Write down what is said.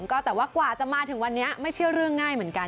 ก็แต่ว่ากว่าจะมาถึงวันนี้ไม่ใช่เรื่องง่ายเหมือนกัน